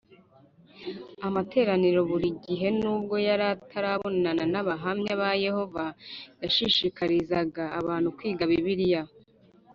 Amateraniro buri gihe nubwo yari atarabonana n abahamya ba yehova yashishikarizaga abantu kwiga bibiliya